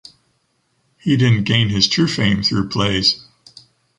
He didn’t gain his true fame through plays.